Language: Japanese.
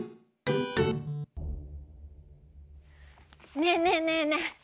ねえねえねえねえ。